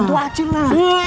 bantu acil lah